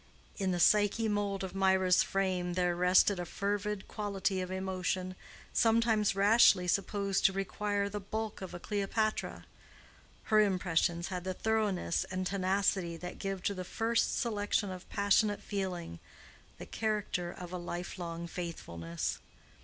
In the Psyche mould of Mirah's frame there rested a fervid quality of emotion, sometimes rashly supposed to require the bulk of a Cleopatra; her impressions had the thoroughness and tenacity that give to the first selection of passionate feeling the character of a life long faithfulness.